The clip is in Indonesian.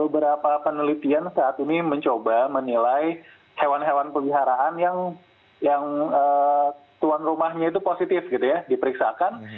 beberapa penelitian saat ini mencoba menilai hewan hewan peliharaan yang tuan rumahnya itu positif gitu ya diperiksakan